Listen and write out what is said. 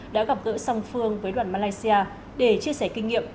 đã gặp gỡ song phương với đoàn malaysia để chia sẻ kinh nghiệm